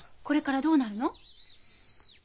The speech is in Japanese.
これからどうなるの？